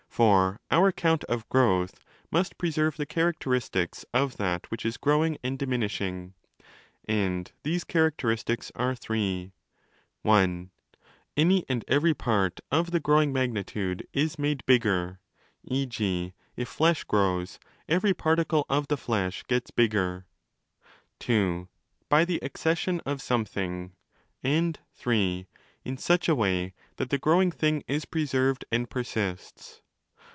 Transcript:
For our account of growth must preserve the characteristics of that which is growing and diminishing. And these characteristics are three: (i) any and every part of the growing magnitude is made bigger (e. g. if flesh 20 grows, every particle of the flesh gets bigger), (ii) by the accession of something, and (iii) in such a way that the growing thing is preserved and persists.